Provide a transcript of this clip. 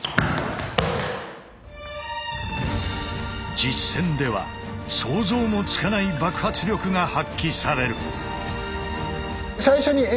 実戦では想像もつかない爆発力が発揮される。